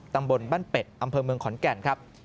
ตำบลบ้านเป็ดอำเภอเมืองขอนแก่นครับ